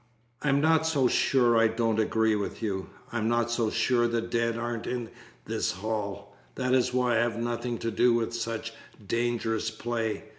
"I'm not so sure I don't agree with you. I'm not so sure the dead aren't in this hall. That is why I'll have nothing to do with such dangerous play.